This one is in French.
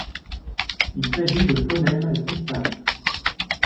Il s'agit de phonèmes distincts.